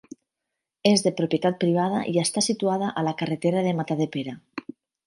És de propietat privada i està situada a la carretera de Matadepera.